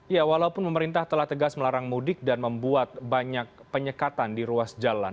ya walaupun pemerintah telah tegas melarang mudik dan membuat banyak penyekatan di ruas jalan